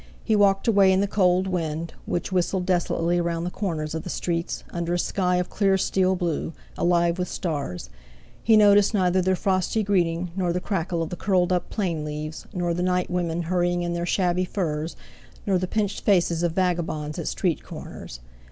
He walked away in the cold wind, which whistled desolately round the corners of the streets, under a sky of clear steel blue, alive with stars; he noticed neither their frosty greeting, nor the crackle of the curled up plane leaves, nor the night women hurrying in their shabby furs, nor the pinched faces of vagabonds at street corners.